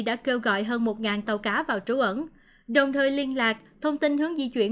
đã kêu gọi hơn một tàu cá vào trú ẩn đồng thời liên lạc thông tin hướng di chuyển